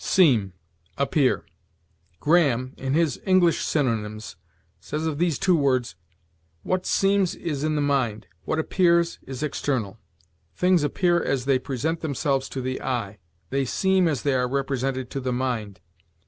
SEEM APPEAR. Graham, in his "English Synonymes," says of these two words: "What seems is in the mind; what appears is external. Things appear as they present themselves to the eye; they seem as they are represented to the mind.